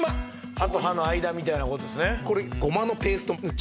歯と歯の間みたいな事ですね。